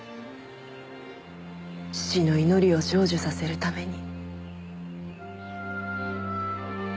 父の祈りを成就させるために。